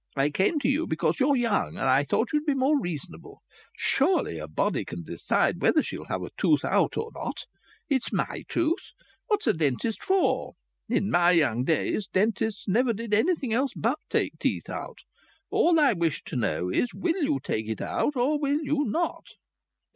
I came to you because you're young, and I thought you'd be more reasonable. Surely a body can decide whether she'll have a tooth out or not! It's my tooth. What's a dentist for? In my young days dentists never did anything else but take teeth out. All I wish to know is, will you take it out or will you not?"